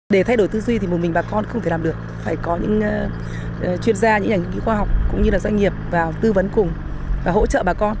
để thay đổi tư duy thì một mình bà con không thể làm được phải có những chuyên gia những nhà nghiên cứu khoa học cũng như là doanh nghiệp vào tư vấn cùng và hỗ trợ bà con